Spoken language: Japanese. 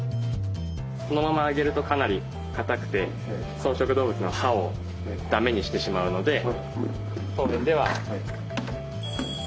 このままあげるとかなり硬くて草食動物の歯をだめにしてしまうので当園ではふやかして。